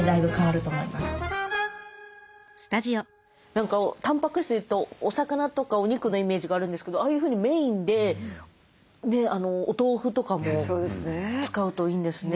何かたんぱく質というとお魚とかお肉のイメージがあるんですけどああいうふうにメインでお豆腐とかも使うといいんですね。